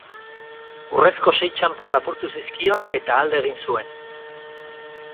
Urrezko se txanpon lapurtu zizkion eta alde egin zuen.